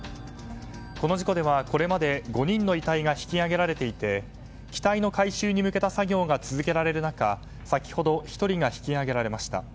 この事故では、これまで５人の遺体が引き揚げられていて機体の回収に向けた作業が続けられる中先ほど１人が引き揚げられました。